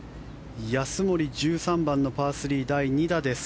安森、１３番のパー３第２打です。